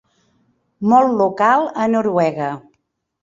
Molt local a Noruega.